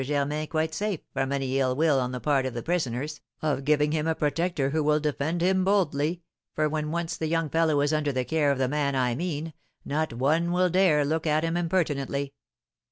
Germain quite safe from any ill will on the part of the prisoners, of giving him a protector who will defend him boldly, for when once the young fellow is under the care of the man I mean, not one will dare look at him impertinently.'